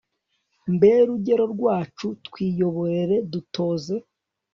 mbe rugero rwacu twiyoborere, dutoze